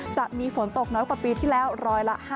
จะมีฝนตกน้อยกว่าปีที่แล้วร้อยละ๕๐